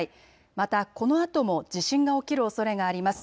また、このあとも地震が起きるおそれがあります。